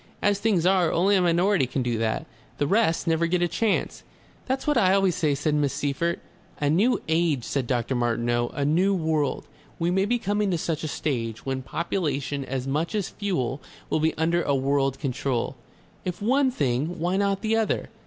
As things are, only a minority can do that. The rest never get a chance." "That's what I always say," said Miss Seyffert. "A New Age," said Dr. Martineau; "a New World. We may be coming to such a stage, when population, as much as fuel, will be under a world control. If one thing, why not the other?